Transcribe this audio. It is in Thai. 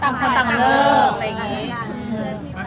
ต่างคนต่างเลิก